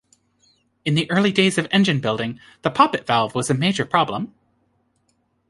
In the early days of engine building, the poppet valve was a major problem.